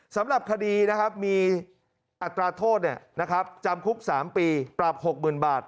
สำหรับคดีนะครับมีอัตราโทษจำคุกสามปีกลับหกหมื่นบาท